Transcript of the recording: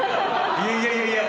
いやいやいやいや！